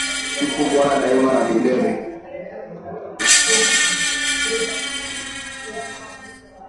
Sifu bwana daima na milele